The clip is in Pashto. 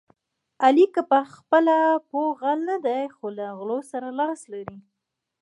علي که په خپله پوخ غل نه دی، خو له غلو سره لاس لري.